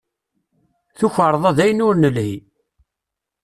Tukarḍa d ayen ur nelhi.